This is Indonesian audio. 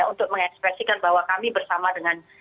untuk mengekspresikan bahwa kami bersama dengan